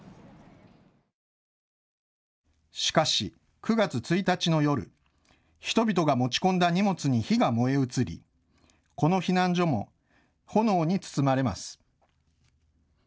しかし、９月１日の夜、人々が持ち込んだ荷物に火が燃え移り、この避難所も炎に包まれます。